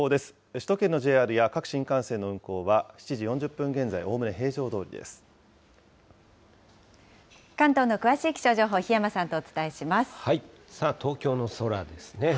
首都圏のＪＲや各新幹線の運行は、７時４０分現在、おおむね平常ど関東の詳しい気象情報、檜山さあ、東京の空ですね。